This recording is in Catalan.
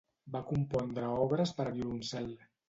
Va compondre obres per a violoncel.